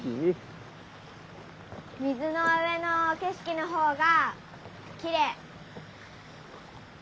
水の上の景色の方がきれい。